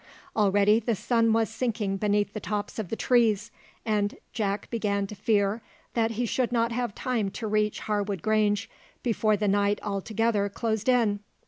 Already the sun was sinking beneath the tops of the trees; and Jack began to fear that he should not have time to reach Harwood Grange before the night altogether closed in.